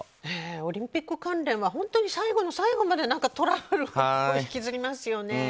オリンピック関連は本当に最後の最後まで何かトラブルを引きずりますよね。